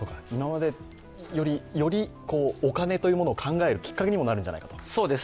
今までより、よりお金を考えるきっかけにもなるんじゃないかと。